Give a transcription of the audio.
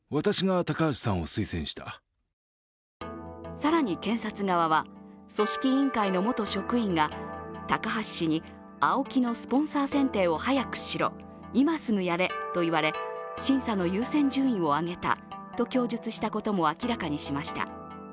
更に検察側は、組織委員会の元職員が高橋氏にＡＯＫＩのスポンサー選定を早くしろ、今すぐやれと言われ審査の優先順位を上げたと供述したことも明らかにしました。